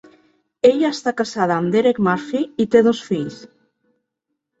Ella està casada amb Derek Murphy i té dos fills.